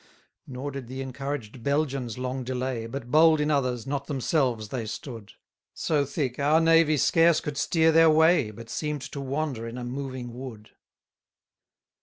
78 Nor did the encouraged Belgians long delay, But bold in others, not themselves, they stood: So thick, our navy scarce could steer their way, But seem'd to wander in a moving wood.